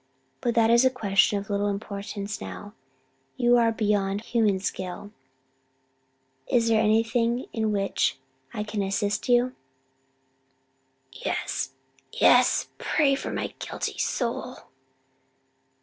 But that is a question of little importance now: you are beyond human skill. Is there anything in which I can assist you?" "Yes yes pray for my guilty soul."